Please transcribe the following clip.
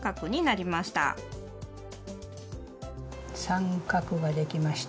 三角ができました。